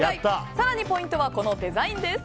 更にポイントはこのデザインです。